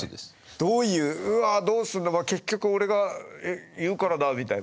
どういううわどうすんのか結局俺がいるからだみたいな。